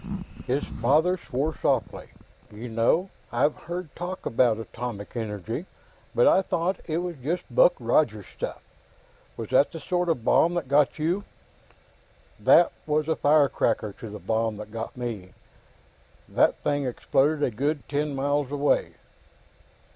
His father swore softly. "You know, I've heard talk about atomic energy, but I thought it was just Buck Rogers stuff. Was that the sort of bomb that got you?" "That was a firecracker to the bomb that got me. That thing exploded a good ten miles away."